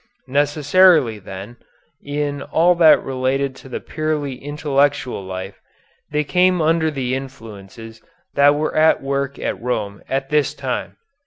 Necessarily, then, in all that related to the purely intellectual life, they came under the influences that were at work at Rome at this time.